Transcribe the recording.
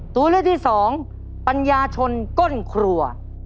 ตัวเลือกที่สองปัญญาชนก้นครัว